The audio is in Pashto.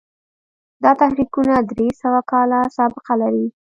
دا تحریکونه درې سوه کاله سابقه لري.